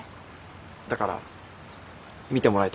だから見てもらいたいです。